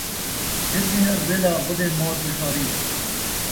پھردیں ارٻیلا، ودیں موت وساری